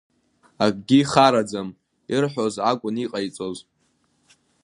Акгьы ихараӡам, ирҳәоз акәын иҟаиҵоз!